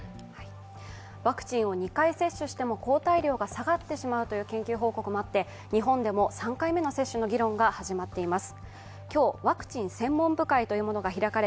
ワクチンを２回接種しても抗体量が下がってしまうという緊急報告もあって日本でも３回目の接種の議論が始まっています。